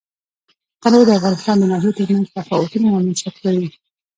تنوع د افغانستان د ناحیو ترمنځ تفاوتونه رامنځ ته کوي.